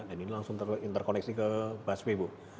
dan ini langsung terkoneksi ke busway bu